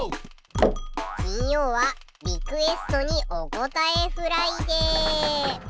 金曜はリクエストにおこたえフライデー。